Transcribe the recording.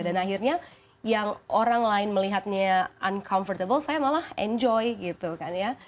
dan akhirnya yang orang lain melihatnya uncomfortable saya malah enjoy gitu kan ya